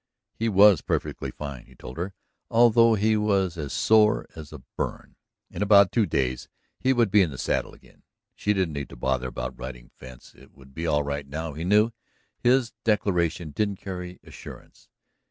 He was perfectly fine, he told her, although he was as sore as a burn. In about two days he would be in the saddle again; she didn't need to bother about riding fence, it would be all right, he knew. His declaration didn't carry assurance.